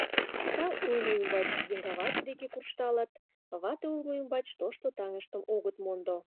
Таҥ улмо ӱмбач еҥгавате деке куржталыт, вате улмо ӱмбач тошто таҥыштым огыт мондо.